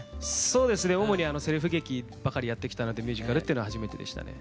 そうですね主にせりふ劇ばかりやってきたのでミュージカルっていうのは初めてでしたね。